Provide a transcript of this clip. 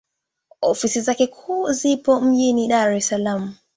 Ofisi zake kuu zipo mjini Dar es Salaam.